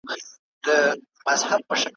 سمدستي سو د خپل پلار مخ ته ور وړاندي ,